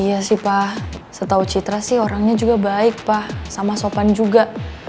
iya sih pak setau citra sih orangnya juga baik pak sama sopan juga